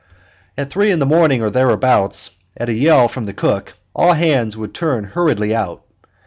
At three in the morning or thereabouts, at a yell from the cook, all hands would turn hurriedly out.